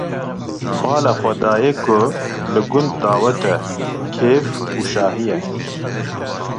Bala xwe dayê ku li gund dawet e, kêf û şahî ye.